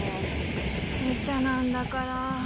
むちゃなんだから。